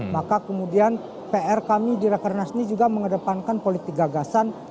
maka kemudian pr kami di rakernas ini juga mengedepankan politik gagasan